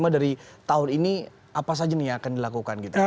lima dari tahun ini apa saja nih yang akan dilakukan gitu